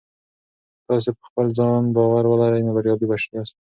که تاسي په خپل ځان باور ولرئ نو بریالي یاست.